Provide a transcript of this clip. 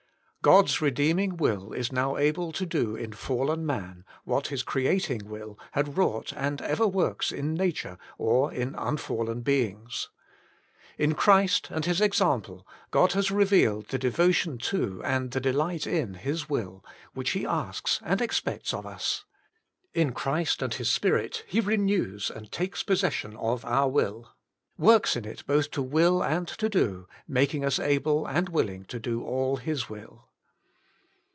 4. God's redeeming will is now able to do in fallen man, what His creating will had wrought and ever works in nature, or in unfallen beings. In Christ and His example, God Has Revealed THE Devotion to and the Delight in His WiHi, WHICH He Asks and. Expects of Us. In Christ and, His Spirit He renews and takes pos session of our will : works in it both to will and to do, making us able and willing to do all His will.